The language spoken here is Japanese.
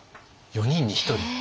４人に１人？